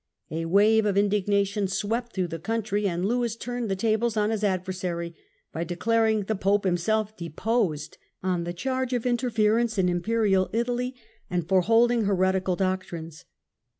A wave of indignation swept through the country and Lewis turned the tables on his adversary by declaring the Pope himself deposed, on the charge of interference in Imperial Italy, and for holding heretical doctrines.